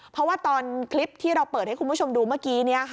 เพราะว่าตอนคลิปที่เราเปิดให้คุณผู้ชมดูเมื่อกี้